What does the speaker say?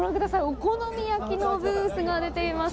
お好み焼きのブースが出ています。